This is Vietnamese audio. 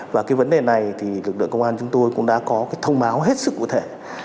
và cái vấn đề này thì lực lượng công an chúng tôi cũng đã có cái thông báo hết sức cụ thể